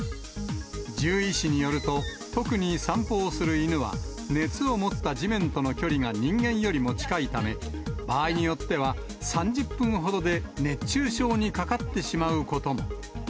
獣医師によると、特に散歩をする犬は、熱を持った地面との距離が人間よりも近いため、場合によっては３０分ほどで熱中症にかかってしまうことも。